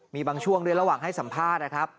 มีบางช่วงด้วยระหว่างให้สัมภาษณ์นะครับ